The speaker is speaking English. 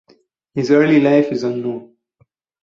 Her early life is unknown.